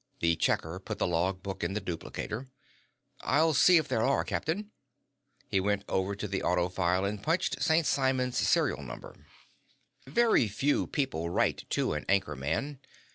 The checker put the log book in the duplicator. "I'll see if there are, captain." He went over to the autofile and punched St. Simon's serial number. Very few people write to an anchor man.